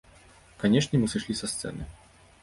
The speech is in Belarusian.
Канечне, мы сышлі са сцэны.